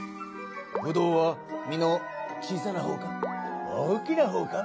ぶどうは実の小さなほうか大きなほうか。